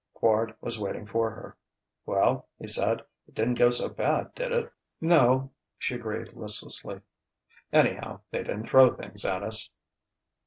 Quard was waiting for her. "Well," he said, "it didn't go so bad, did it?" "No," she agreed listlessly. "Anyhow, they didn't throw things at us."